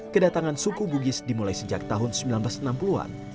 kedatangan suku bugis dimulai sejak tahun seribu sembilan ratus enam puluh an